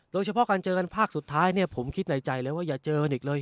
โดยเฉพาะการเจอกันภาคสุดท้ายเนี่ยผมคิดในใจเลยว่าอย่าเจอกันอีกเลย